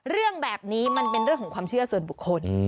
เรื่องแบบนี้มันเป็นเรื่องของความเชื่อส่วนบุคคล